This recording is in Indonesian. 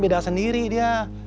beda sendiri dia